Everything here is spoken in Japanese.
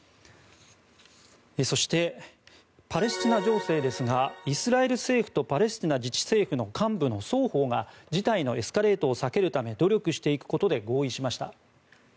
そして、パレスチナ情勢ですがイスラエル政府とパレスチナ自治政府の双方が事態のエスカレートを避けるため努力していくことで合意しました。